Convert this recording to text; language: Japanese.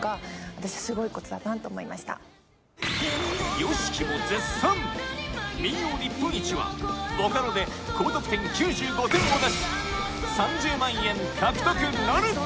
ＹＯＳＨＩＫＩ も絶賛民謡日本一はボカロで高得点９５点を出し３０万円獲得なるか⁉